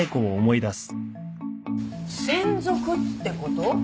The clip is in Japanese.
専属ってこと？